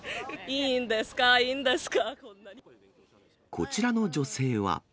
こちらの女性は。